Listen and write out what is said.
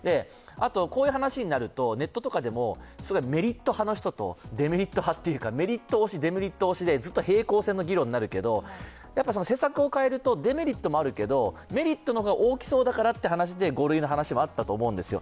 こういう話になるとネットとかでもメリット派の人とデメリット派の人と、平行線の話になるけど政策を変えると、デメリットもあるけど、メリットの方が大きそうだからという話で５類の話もあったと思うんですよ。